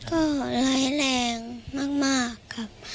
ก็ร้ายแรงมากครับ